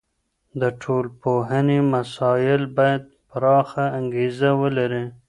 د ټولنپوهني مسایل باید پراخه انګیرنه ولري.